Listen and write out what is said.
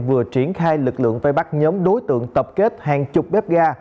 vừa triển khai lực lượng vây bắt nhóm đối tượng tập kết hàng chục bếp ga